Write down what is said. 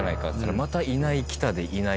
またいない来たでいない。